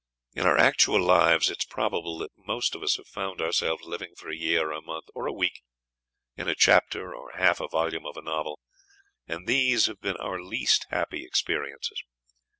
In our actual lives it is probable that most of us have found ourselves living for a year, or a month, or a week, in a chapter or half a volume of a novel, and these have been our least happy experiences.